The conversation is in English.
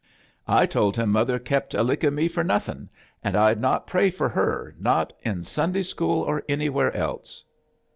I told him mother kep' a licking me for nothing, an' I'd not pray for her, not in Sunday «chool or any wheres else.